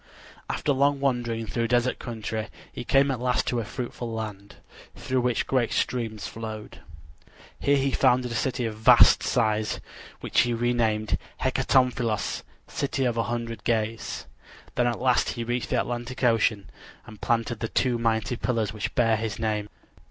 After long wandering through desert country he came at last to a fruitful land, through which great streams flowed. Here he founded a city of vast size, which he named Hecatompylos (City of a Hundred Gates). Then at last he reached the Atlantic Ocean and planted the two mighty pillars which bear his name.